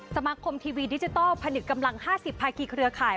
สมาคมทีวีดิจิทัลผนึกกำลัง๕๐ภาคีเครือข่าย